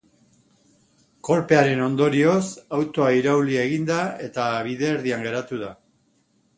Kolpearen ondorioz, autoa irauli egin da eta bide erdian geratu da.